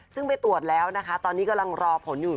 ซึ่งไปตรวจแล้วนะคะตอนนี้กำลังรอผลอยู่